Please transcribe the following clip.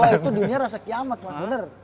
itu dunia rasa kiamat mas bener